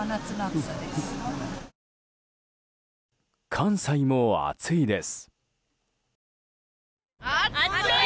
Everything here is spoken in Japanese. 関西も暑いです。